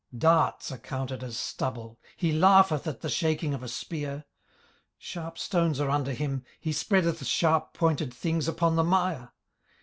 18:041:029 Darts are counted as stubble: he laugheth at the shaking of a spear. 18:041:030 Sharp stones are under him: he spreadeth sharp pointed things upon the mire.